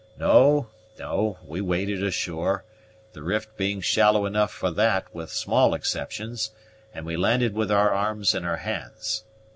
No, no; we waded ashore, the rift being shallow enough for that with small exceptions, and we landed with our arms in our hands.